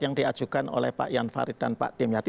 yang diajukan oleh pak ian farid dan pak tim yati